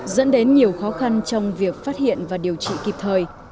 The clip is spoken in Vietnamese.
dẫn đến nhiều khó khăn trong việc phát hiện và điều trị kịp thời